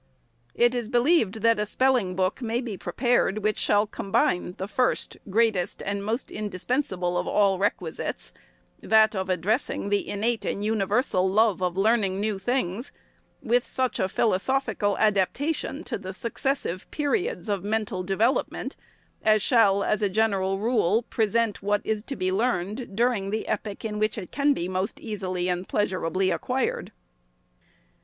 It is believed that a spelling book may be prepared which shall combine the first, greatest, and most indispensable of all requisites, that of addressing the innate and universal love of learn ing new things, — with such a philosophical adaptation to the successive periods of mental development, as shall, as a general rule, present what is to be learned during the epoch in which it can be most easily and pleas urably acquired.